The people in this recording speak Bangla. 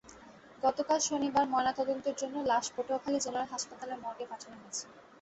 গতকাল শনিবার ময়নাতদন্তের জন্য লাশ পটুয়াখালী জেনারেল হাসপাতালের মর্গে পাঠানো হয়েছে।